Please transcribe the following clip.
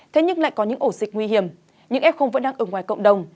thế nhưng lại có những ổ dịch nguy hiểm nhưng f vẫn đang ở ngoài cộng đồng